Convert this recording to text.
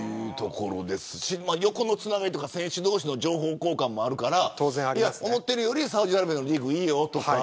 横のつながりとか選手同士の情報交換もあるから思ってるよりサウジアラビアのリーグ